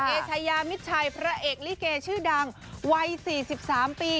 เอชายามิดชัยพระเอกลิเกชื่อดังวัย๔๓ปี